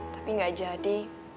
tapi gak jadi